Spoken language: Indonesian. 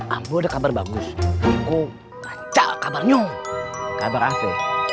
aku ada kabar bagus kucuk kacau kabarnya kabar apa